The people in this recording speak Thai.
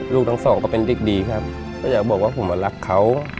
ลูกทั้งสองก็เป็นเด็กดีครับก็อยากบอกว่าผมมารักเขา